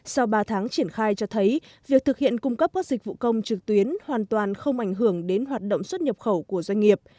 sau ba tháng triển khai cho thấy việc thực hiện cung cấp các dịch vụ công trực tuyến hoàn toàn không ảnh hưởng đến hoạt động xuất nhập khẩu của doanh nghiệp